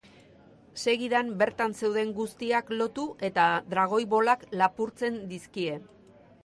Segidan bertan zeuden guztiak lotu eta Dragoi Bolak lapurtzen dizkie.